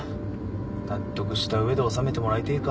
納得した上で納めてもらいてぇか。